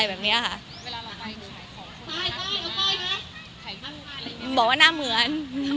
บอกว่าน่าเหมือน